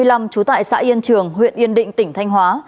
trú tại xã yên trường huyện yên định tỉnh thanh hóa